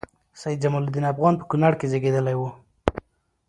سيدجمال الدين افغان په کونړ کې زیږیدلی وه